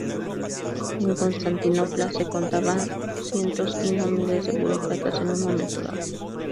En Constantinopla se contaban cientos, si no miles, de burócratas en un momento dado.